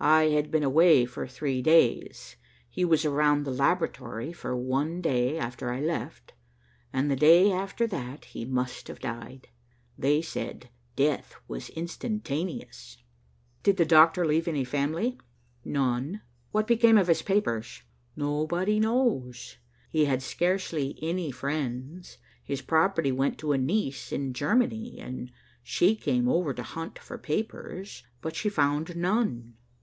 I had been away for three days. He was around the laboratory for one day after I left, and the day after that he must have died. They said death was instantaneous." "Did the doctor leave any family?" "None." "What became of his papers?" "Nobody knows. He had scarcely any friends. His property went to a niece in Germany, and she came over to hunt for papers, but she found none."